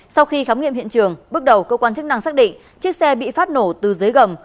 sau khi khám nghiệm hiện trường bước đầu cơ quan chức năng xác định chiếc xe bị phát nổ từ dưới gầm